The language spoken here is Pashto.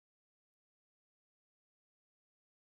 ورورسته له هغې پېښې کور ته بېخي